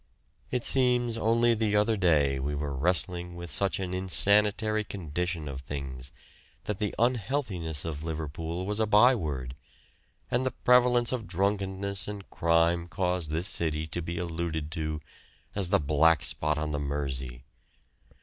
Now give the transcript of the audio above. It seems only the other day we were wrestling with such an insanitary condition of things that the unhealthiness of Liverpool was a byword, and the prevalence of drunkenness and crime caused this city to be alluded to as the 'black spot on the Mersey.'